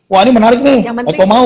wah ini menarik nih mau mau mau